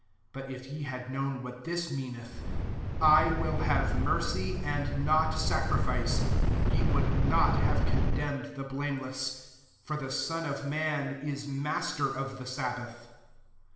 7 But if ye had known what this mean eth, * I will have mercy and not sacrifice,* ye would not have condemned the blameless. 8 For the Son of man is master of the sabbath.